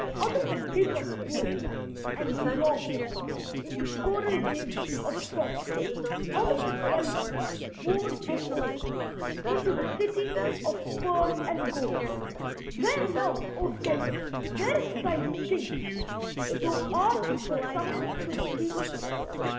Out of the din of woe and wrong Into choral waves of song Out of the dwelling, worn and old, Into the city of pearl and gold. Where now, O Death, where is thy sting? Thou art the summons to the King.